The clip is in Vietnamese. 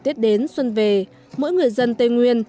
tết đến xuân về mỗi người dân tây nguyên